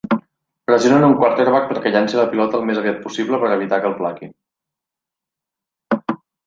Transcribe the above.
Pressionen un "quarterback" perquè llanci la pilota el més aviat possible per evitar que el plaquin